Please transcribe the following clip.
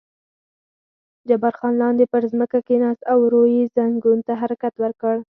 جبار خان لاندې پر ځمکه کېناست او ورو یې زنګون ته حرکات ورکړل.